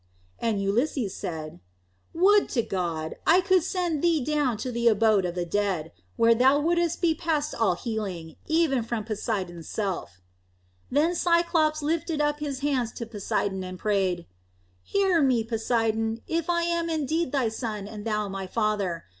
And Ulysses said, "Would to God, I could send thee down to the abode of the dead, where thou wouldst be past all healing, even from Poseidon's self." Then Cyclops lifted up his hands to Poseidon and prayed: "Hear me, Poseidon, if I am indeed thy son and thou my father.